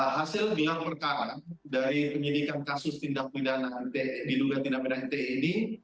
hasil gelar perkara dari penyidikan kasus tindak pidana diduga tindak pidana etik ini